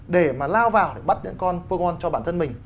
để mà lao vào để bắt những con pogon cho bản thân mình